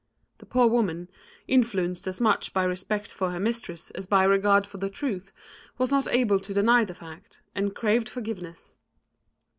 The poor woman, influenced as much by respect for her mistress as by regard for the truth, was not able to deny the fact, and craved forgiveness.